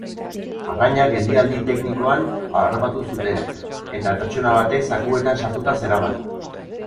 Arraina geldialdi teknikoan harrapatu zuten, eta pertsona batek zakuetan sartuta zeraman.